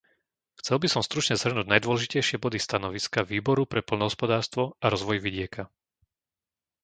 Chcel by som stručne zhrnúť najdôležitejšie body stanoviska Výboru pre poľnohospodárstvo a rozvoj vidieka.